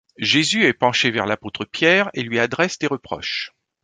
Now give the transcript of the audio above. Jésus est penché vers l'apôtre Pierre et lui adresse des reproches.